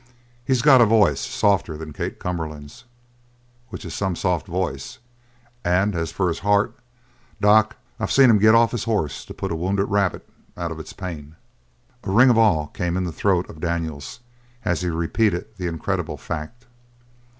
He's got a voice softer than Kate Cumberland's, which is some soft voice, and as for his heart Doc, I've seen him get off his horse to put a wounded rabbit out of its pain!" A ring of awe came in the throat of Daniels as he repeated the incredible fact.